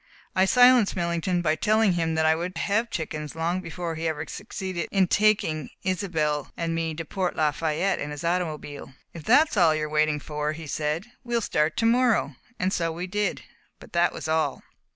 I silenced Millington by telling him I would have chickens long before he ever succeeded in taking Isobel and me to Port Lafayette in his automobile. "If that is all you are waiting for," he said, "we will start to morrow," and so we did; but that was all.